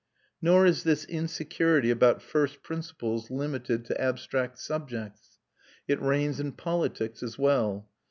Nor is this insecurity about first principles limited to abstract subjects. It reigns in politics as well.